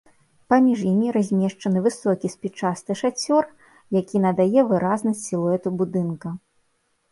Паміж імі размешчаны высокі спічасты шацёр, які надае выразнасць сілуэту будынка.